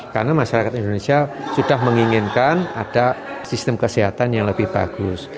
karena masyarakat indonesia sudah menginginkan ada sistem kesehatan yang lebih bagus